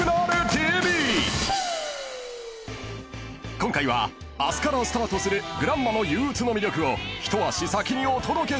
［今回は明日からスタートする『グランマの憂鬱』の魅力を一足先にお届けします］